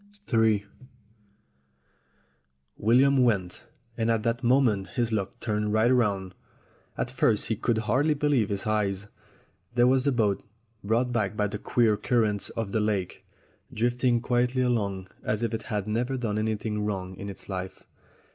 in WILLIAM went, and at that moment his luck turned right round. At first he could hardly believe his eyes. There was the boat, brought back by the queer cur rents of the lake, drifting quietly along as if it had never done anything wrong in its life.